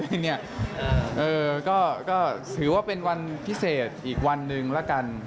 เลยเนี้ยเอ่อก็ก็ถือว่าเป็นวันพิเศษอีกวันหนึ่งแล้วกัน